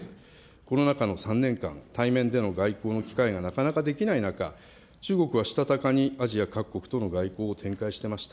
コロナ禍の３年間、対面での外交の機会がなかなかできない中、中国はしたたかにアジア各国との外交を展開していました。